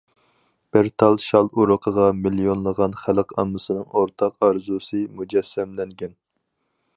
بىر تال شال ئۇرۇقىغا مىليونلىغان خەلق ئاممىسىنىڭ ئورتاق ئارزۇسى مۇجەسسەملەنگەن.